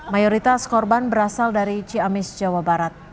mayoritas korban berasal dari ciamis jawa barat